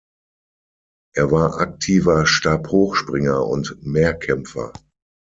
Er war aktiver Stabhochspringer und Mehrkämpfer.